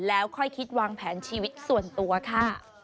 แล้วค่อยคิดวางแผนชีวิตส่วนตัวค่ะ